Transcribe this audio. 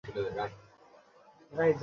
তিনি সক্রিয় রাজনীতিতে অংশ নিয়েছিলেন।